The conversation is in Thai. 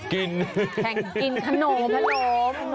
กินขนม